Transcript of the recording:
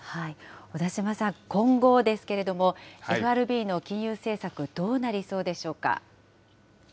小田島さん、今後ですけれども、ＦＲＢの金融政策、どうなりそうでしょうか。